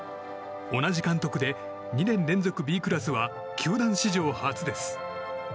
同じ監督で２年連続Ｂクラスは球団史上初です。